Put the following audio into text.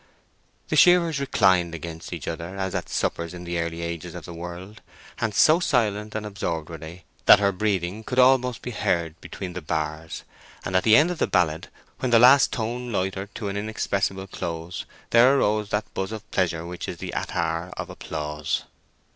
The shearers reclined against each other as at suppers in the early ages of the world, and so silent and absorbed were they that her breathing could almost be heard between the bars; and at the end of the ballad, when the last tone loitered on to an inexpressible close, there arose that buzz of pleasure which is the attar of applause.